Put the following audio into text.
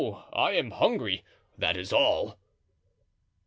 I am hungry, that is all."